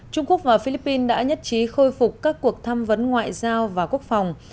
trung quốc và philippines đã nhất trí khôi phục các cuộc thăm vấn ngoại giao và quốc phòng